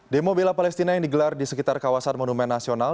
demo bela palestina yang digelar di sekitar kawasan monumen nasional